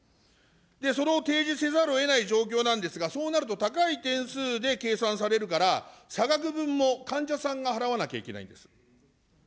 それを提示せざるをえない状況なんですが、そうなると、高い点数で計算されるから、差額分も患者さんが払わなきゃいけないんです。